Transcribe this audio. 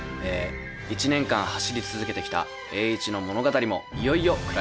１年間走り続けてきた栄一の物語もいよいよクライマックス！